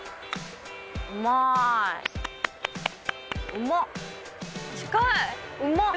うまっ！